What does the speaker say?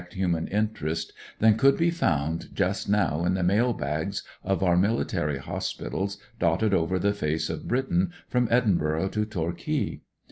i ' 1 1 i dm lit human interest than coiild be found just now in the mail bags of our military hospitals dotted over the face of Britain from Edinburgh to Torquay.